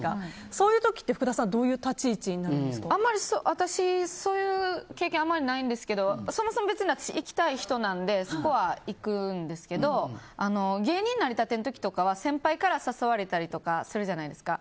そういう時って福田さんはあまり私そういう経験ないんですけどそもそも私は別に行きたい人なので行くんですけど芸人なりたての時とかは先輩から誘われたりするじゃないですか。